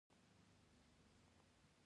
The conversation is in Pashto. لوړ مارکېټونه او لوکس دوکانونه پکښې وو.